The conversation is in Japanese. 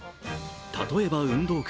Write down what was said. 例えば運動会。